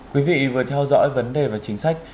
quý vị vừa theo dõi vấn đề và chính sách